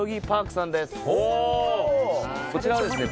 こちらはですね